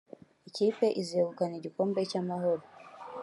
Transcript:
Ikipe izegukana igikombe cy’Amahoro